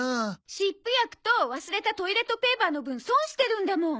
湿布薬と忘れたトイレットペーパーの分損してるんだもん。